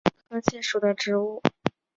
深灰槭为无患子科槭属的植物。